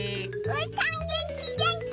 うーたんげんきげんき！